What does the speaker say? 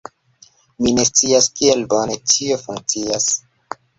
Mi ne scias kiel bone tio funkcias